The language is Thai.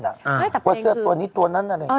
อ้าวแต่เพลงคือว่าเสื้อตัวนี้ตัวนั้นอะไร